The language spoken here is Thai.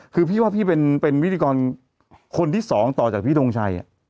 คือพี่ว่าพี่เป็นเป็นวิดีกรคนที่๒ต่อจากคิดงงชัยอ่ะ